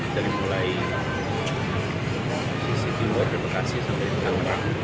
dari mulai sisi timur bekasi sampai tengah